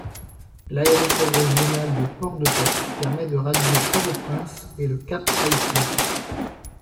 L'aéroport régional de Port-de-Paix permet de rallier Port-au-Prince et le Cap-Haïtien.